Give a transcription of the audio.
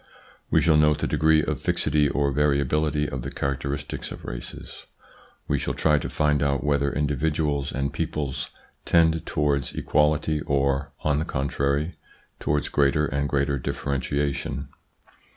We shall ' note the degree of fixity or variability of the charac teristics of races. We shall try to find out whether individuals and peoples tend towards equality or, on the contrary, towards greater and greater differen tiation.